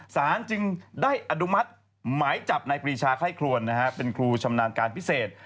จึงได้อนุมัติหมายจับนายปรีชาไข้ครวนเป็นครูชำนาญการพิเศษ